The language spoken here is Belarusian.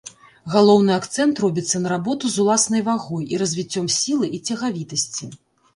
Галоўны акцэнт робіцца на работу з уласнай вагой і развіццём сілы і цягавітасці.